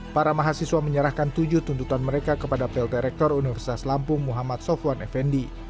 para mahasiswa menyerahkan tujuh tuntutan mereka kepada plt rektor universitas lampung muhammad sofwan effendi